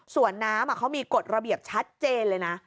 ส่วนน้ำเขามีกฎระเบียบชัดเจนเลยนะ